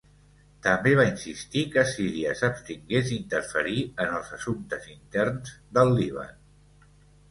També va insistir que Síria s'abstingués d'interferir en els assumptes interns del Líban.